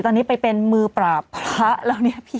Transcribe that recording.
ตอนนี้ไปเป็นมือปราบพระแล้วเนี่ยพี่